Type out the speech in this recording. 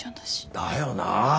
だよなあ